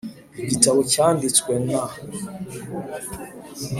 Igitabo cyanditswe na